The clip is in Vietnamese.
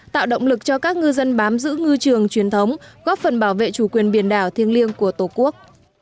tạo động lực cho các ngư dân bám giữ ngư trường truyền thống góp phần bảo vệ chủ quyền biển đảo thiêng liêng của tổ quốc